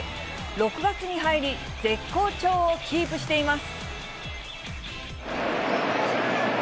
６月に入り、絶好調をキープしています。